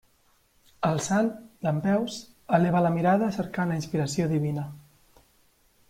El sant, dempeus, eleva la mirada cercant la inspiració divina.